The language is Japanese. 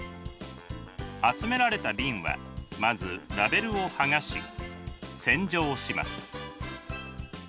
集められた瓶はまずラベルを剥がし洗浄します。